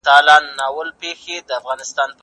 زه به چپنه پاک کړې وي!؟